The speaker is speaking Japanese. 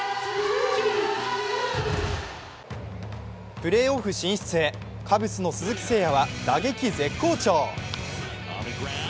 プレーオフ進出へ、カブスの鈴木誠也は打撃絶好調。